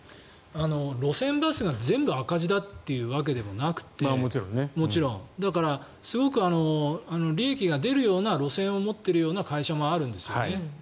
路線バスが全部赤字だというわけではなくてだからすごく利益が出るような路線を持っているような会社もあるんですね。